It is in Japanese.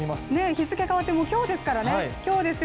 日付変わってもう今日ですから今日ですよ